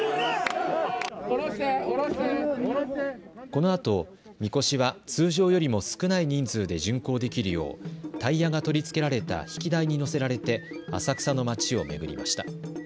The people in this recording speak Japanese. このあと、みこしは通常よりも少ない人数で巡行できるようタイヤが取り付けられた曳台に載せられて浅草の町を巡りました。